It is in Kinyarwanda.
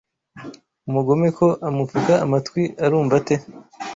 Umugome ko amupfuka amatwi arumva ate